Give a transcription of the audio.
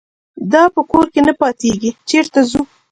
دا په کور کې نه پاتېږي چېرته ځو.